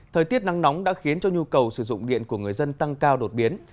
thời tiết nắng nóng đã khiến cho nhu cầu sử dụng điện của người dân tăng cao đột biến